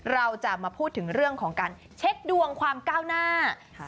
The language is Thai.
เราจะมาพูดถึงเรื่องของการเช็คดวงความก้าวหน้า